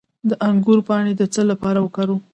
د انګور پاڼې د څه لپاره وکاروم؟